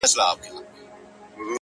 • چي مي نظم ته هر توری ژوبل راسي,